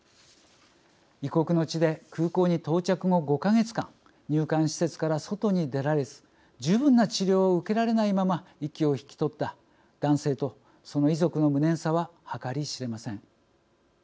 異国の地で空港に到着後５か月間、入管施設から外に出られず十分な治療を受けられないまま息を引き取った男性とその遺族の無念さは計り知れません。